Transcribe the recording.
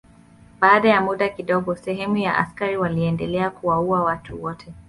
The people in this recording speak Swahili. Baada ya muda kidogo sehemu ya askari waliendelea kuwaua watu wote.